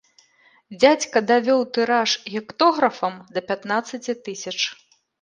Дзядзька давёў тыраж гектографам да пятнаццаці тысяч.